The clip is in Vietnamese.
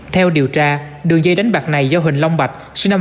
theo điều tra đường dây đánh bạc này do huỳnh long bạch